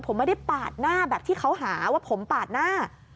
ผมไม่ได้ปาดหน้าแบบที่เขาหาว่าผมปาดหน้า